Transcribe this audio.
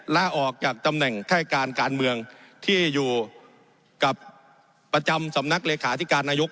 ลาออกจากตำแหน่งค่ายการการเมืองที่อยู่กับประจำสำนักเลขาธิการนายก